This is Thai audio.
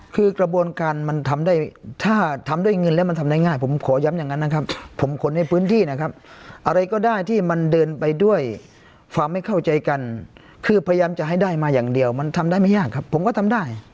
คือกระบวนการมันทำได้ถ้าทำด้วยเงินแล้วมันทำได้ง่ายผมขอย้ำอย่างนั้นนะครับผมคนในพื้นที่นะครับอะไรก็ได้ที่มันเดินไปด้วยความไม่เข้าใจกันคือพยายามจะให้ได้มาอย่างเดียวมันทำได้ไม่ยากครับผมก็ทำได้